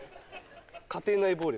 家庭内暴力